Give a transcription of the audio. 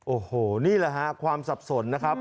โอ้โหนี่แหละฮะความสับสนนะครับ